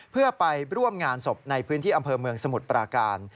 เพื่อไปร่วมงานศพในพื้นที่อำเภอเมืองสมุทรปราการ